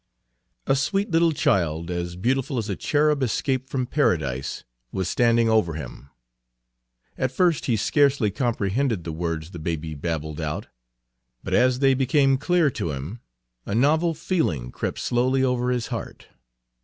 A sweet little child, as beautiful as a cherub escaped from Paradise, was standing over him. At first he scarcely comprehended the words the baby babbled out. But as they became clear to him, a novel feeling crept slowly over his heart.